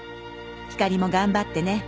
「ひかりもがんばってね」